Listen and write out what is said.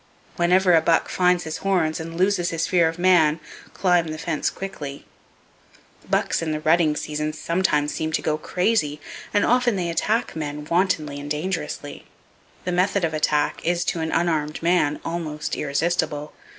Whenever a buck finds his horns and loses his fear of man, climb the fence quickly. Bucks in the rutting season sometimes seem to go crazy, and often they attack men, wantonly and dangerously. The method of attack is to an unarmed man almost irresistible.